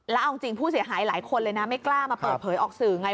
แล้วเอาจริงผู้เสียหายหลายคนเลยนะไม่กล้ามาเปิดเผยออกสื่อไง